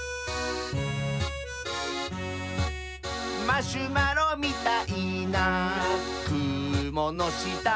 「マシュマロみたいなくものした」